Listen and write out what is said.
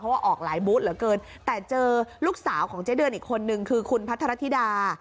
ว่าออกหลายบูธเหลือเกินแต่เจอลูกสาวของเจ๊เดือนอีกคนนึงคือคุณพัทรธิดา